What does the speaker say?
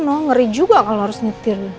gak ada yang lama juga kalau harus nyetir